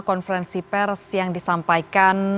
konferensi pers yang disampaikan